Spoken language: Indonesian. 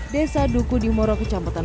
desa duku di moro kecamatan